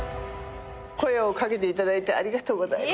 声を掛けていただいてありがとうございます。